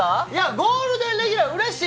ゴールデンレギュラーうれしい。